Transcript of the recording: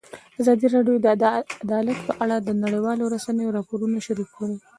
ازادي راډیو د عدالت په اړه د نړیوالو رسنیو راپورونه شریک کړي.